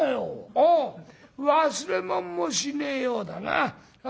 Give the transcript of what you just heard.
ああ忘れ物もしねえようだな。